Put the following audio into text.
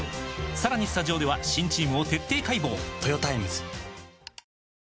さらにスタジオでは新チームを徹底解剖！